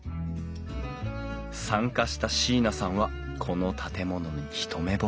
参加した椎名さんはこの建物に一目ぼれ。